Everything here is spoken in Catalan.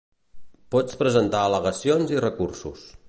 Pots presentar al·legacions i recursos.